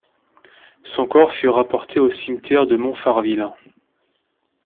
Son corps fut rapporté au cimetière de Montfarville.